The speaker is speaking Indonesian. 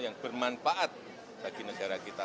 yang bermanfaat bagi negara kita